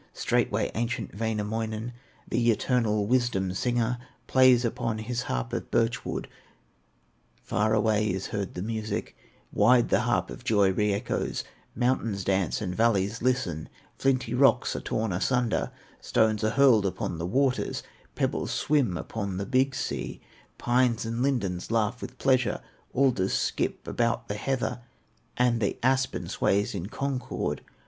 Straightway ancient Wainamoinen, The eternal wisdom singer, Plays upon his harp of birch wood. Far away is heard the music, Wide the harp of joy re echoes; Mountains dance and valleys listen, Flinty rocks are torn asunder, Stones are hurled upon the waters, Pebbles swim upon the Big Sea, Pines and lindens laugh with pleasure, Alders skip about the heather, And the aspen sways in concord.